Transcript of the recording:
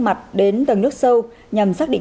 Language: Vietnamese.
mặt đến tầng nước sâu nhằm xác định